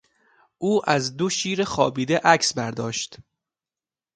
او از دو شیر خوابیده عکس برداشت.